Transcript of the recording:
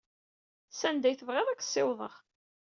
Sanda ay tebɣid ad k-ssiwḍeɣ.